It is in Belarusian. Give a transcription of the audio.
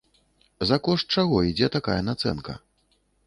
За кошт чаго ідзе такая нацэнка?